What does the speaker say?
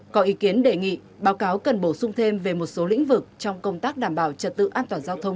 có ý kiến đề nghị báo cáo cần bổ sung thêm về một số lĩnh vực trong công tác đảm bảo trật tự an toàn giao thông